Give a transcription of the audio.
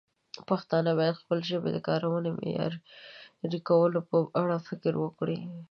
پښتانه باید د خپلې ژبې د کارونې د معیاري کولو په اړه فکر وکړي.